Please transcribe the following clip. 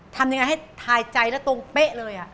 ทำยังไงให้ทายใจแล้วตรงเป๊ะเลย